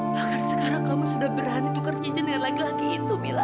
bahkan sekarang kamu sudah berani tukar cincin dengan laki laki itu mila